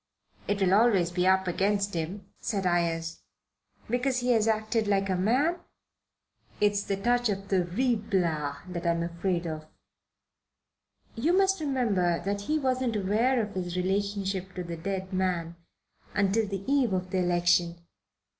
"It will always be up against him," said Ayres. "Because he has acted like a man?" "It's the touch of Ruy Blas that I'm afraid of." "You must remember that he wasn't aware of his relation to the dead man until the eve of the election."